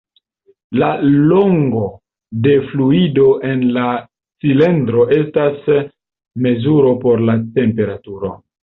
La longo de fluido en la cilindro estas mezuro por la temperaturo.